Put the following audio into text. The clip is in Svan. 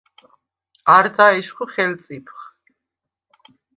არდა ეშხუ ხელწიფხ.